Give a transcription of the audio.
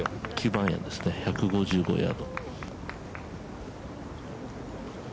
９番アイアンですね、１５５ヤード。